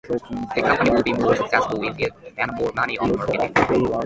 The company would be more successful if it spent more money on marketing.